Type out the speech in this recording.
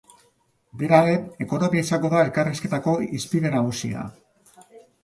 Dena den, ekonomia izango da elkarrizketako hizpide nagusia.